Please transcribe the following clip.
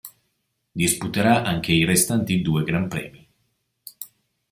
Disputerà anche i restanti due Gran Premi.